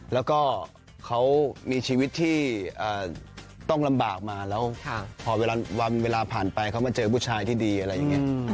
แล้วก็เขามีชีวิตที่ต้องลำบากมาแล้วพอเวลาผ่านไปเขามาเจอผู้ชายที่ดีอะไรอย่างนี้